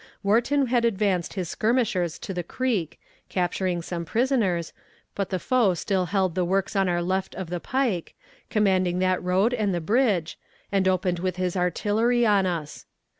Wharton had advanced his skirmishers to the creek, capturing some prisoners, but the foe still held the works on our left of the pike, commanding that road and the bridge, and opened with his artillery on us.